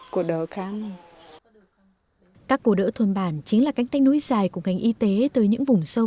cô đỡ khám các cô đỡ thôn bản chính là cánh tách núi dài của ngành y tế tới những vùng sâu